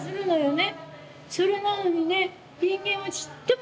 ね